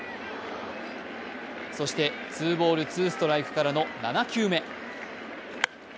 そしてツーボールツーストライクからの７球目。